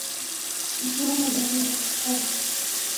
Vua yadareda wuchafu.